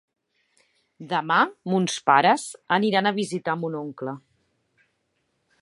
Demà mons pares aniran a visitar mon oncle.